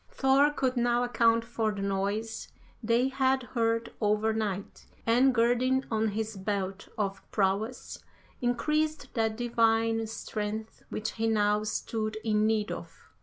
Thor could now account for the noise they had heard over night, and girding on his Belt of Prowess, increased that divine strength which he now stood in need of.